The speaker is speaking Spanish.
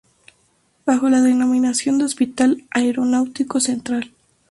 Bajo la denominación de Hospital Aeronáutico Central.